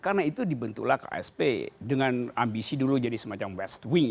karena itu dibentuklah ksp dengan ambisi dulu jadi semacam west wing